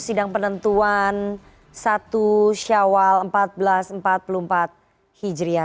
sidang penentuan satu syawal seribu empat ratus empat puluh empat hijriah